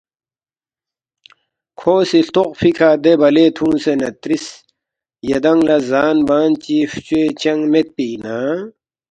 کھو سی ہلتوخفی کھہ دے بلے تُھونگسے نہ ترِس ”یدانگ لہ زان بان چی فچوے چنگ میدپی اِنا؟“